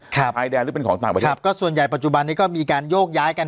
ชายแดนหรือเป็นของต่างประเทศครับก็ส่วนใหญ่ปัจจุบันนี้ก็มีการโยกย้ายกัน